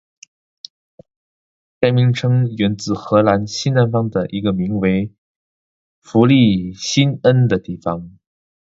该名称源自荷兰西南方的一个名为弗利辛恩的城市。